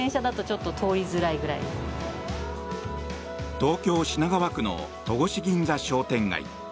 東京・品川区の戸越銀座商店街。